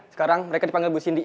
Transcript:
sekarang mereka dipanggil bu sindi